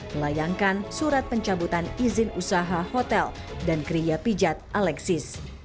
melayangkan surat pencabutan izin usaha hotel dan kriya pijat alexis